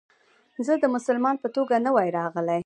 که زه د مسلمان په توګه نه وای راغلی.